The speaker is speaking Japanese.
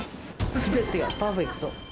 すべてがパーフェクト。